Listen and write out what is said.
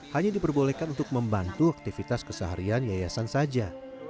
hanya diperbolehkan untuk membantu aktivitas keseharian yayasan saja